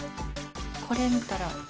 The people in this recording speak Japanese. これ見たら。